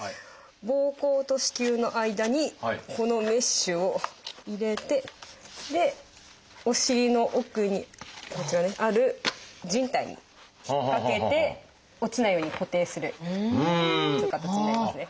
ぼうこうと子宮の間にこのメッシュを入れてお尻の奥にこちらにあるじん帯に引っ掛けて落ちないように固定するという形になりますね。